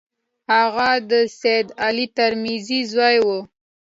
هغه د سید علي ترمذي زوی وو.